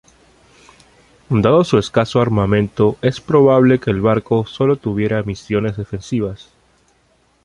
Dado su escaso armamento es probable que el barco solo tuviera misiones defensivas.